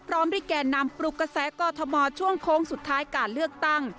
พร้อมด้วยแก่นำปลุกกระแสกอทมช่วงโค้งสุดท้ายการเลือกตั้ง